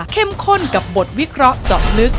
เข้มข้นกับบทวิเคราะห์จอดลึก